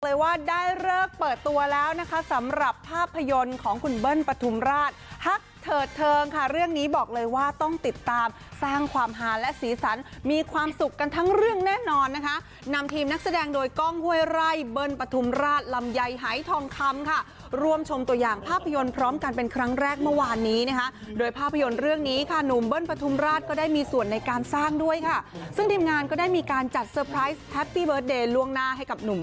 เลยว่าได้เลิกเปิดตัวแล้วนะคะสำหรับภาพยนตร์ของคุณเบิ้ลปธุมราชฮักเถิดเทิงค่ะเรื่องนี้บอกเลยว่าต้องติดตามสร้างความหาและศีรษรมีความสุขกันทั้งเรื่องแน่นอนนะคะนำทีมนักแสดงโดยกล้องห้วยไร่เบิ้ลปธุมราชลำไยหายทองคำค่ะรวมชมตัวอย่างภาพยนตร์พร้อมกันเป็นครั้งแรกเมื่อวานนี้นะคะ